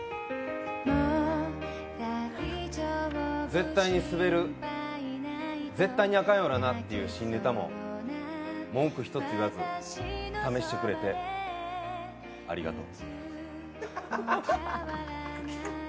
絶対にスベる絶対にあかんやろなっていう新ネタも文句１つ言わず、試してくれてありがとう。